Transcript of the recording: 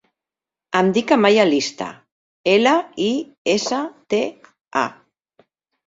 Em dic Amaia Lista: ela, i, essa, te, a.